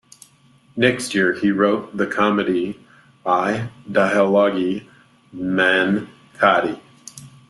The next year he wrote the comedy "I dialoghi mancati".